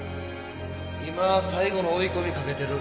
今最後の追い込みかけてる。